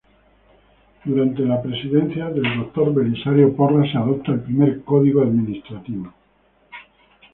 Durante la presidencia del Dr. Belisario Porras se adopta el primer Código Administrativo.